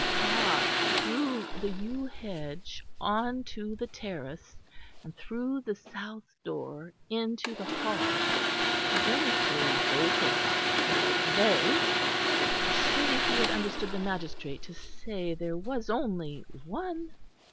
Ah! through the yew hedge on to the terrace and through the south door into the hall; then if they bolted they? Surely he had understood the magistrate to say there was only one?